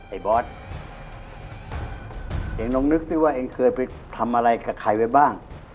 ไอ้บอสเองลองนึกสิว่าเองเคยไปทำอะไรกับใครไว้บ้าง